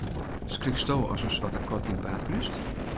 Skriksto as in swarte kat dyn paad krúst?